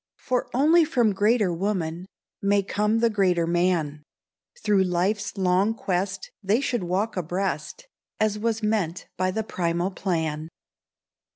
For only from greater woman, May come the greater man, Through life's long quest they should walk abreast— As was meant by the primal plan.